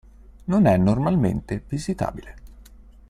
Non è normalmente visitabile.